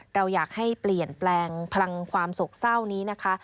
เราอยากให้เปลี่ยนแปลงพลังความโศกเศร้านี้นะคะ